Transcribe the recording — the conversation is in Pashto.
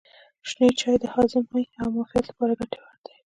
شنه چای د هاضمې او معافیت لپاره ګټور دی.